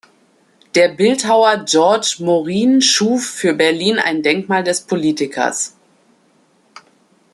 Der Bildhauer Georges Morin schuf für Berlin ein Denkmal des Politikers.